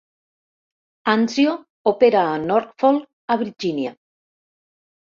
"Anzio" opera a Norfolk a Virgínia.